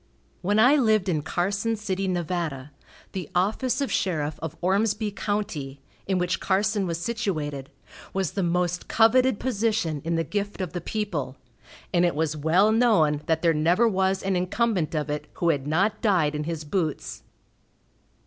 When I lived in Carson City, Nev., the office of sheriff of Ormsby county, in which Carson was situated, was the most coveted position in the gift of the people, and it was well known that there never was an incumbent of it who had not died in his boots.